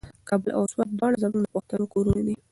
کابل او سوات دواړه زموږ د پښتنو کورونه دي.